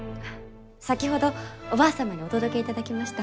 先ほどおばあ様にお届けいただきました。